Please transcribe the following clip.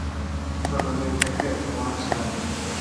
ჩვეულებრივი ფეტვი ერთწლოვანი მცენარეა.